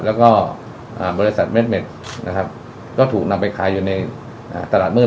แล้วก็บริษัทเม็ดเม็ดนะครับก็ถูกนำไปขายอยู่ในตลาดมืด